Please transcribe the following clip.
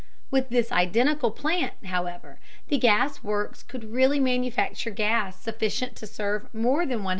With this identical plant, however, the gas works could really manufacture gas sufficient to serve more than 100,000.